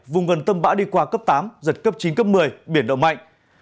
vùng gần tâm bão đi qua cấp tám giật cấp chín cấp một mươi biển động mạnh